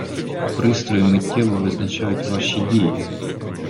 Пристрої миттєво визначають ваші дії.